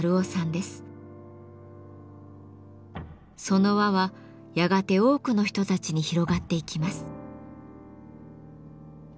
その輪はやがて多くの人たちに広がっていきます。